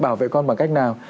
bảo vệ con bằng cách nào